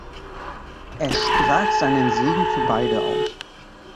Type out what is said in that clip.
Er sprach seinen Segen für beide aus.